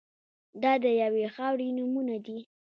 دا د یوې خاورې نومونه دي.